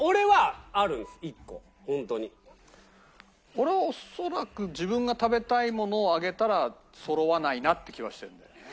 俺は恐らく自分が食べたいものを上げたらそろわないなって気はしてるんだけどね。